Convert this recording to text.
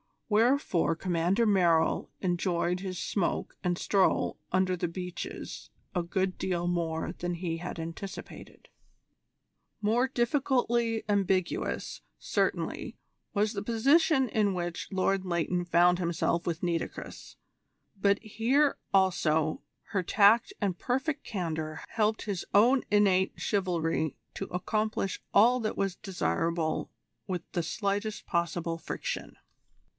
Wherefore Commander Merrill enjoyed his smoke and stroll under the beeches a good deal more than he had anticipated. More difficultly ambiguous, certainly, was the position in which Lord Leighton found himself with Nitocris, but here also her tact and perfect candour helped his own innate chivalry to accomplish all that was desirable with the slightest possible friction.